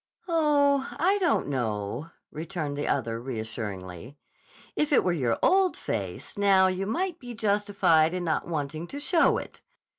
"Oh, I don't know," returned the other reassuringly. "If it were your old face, now, you might be justified in not wanting to show it.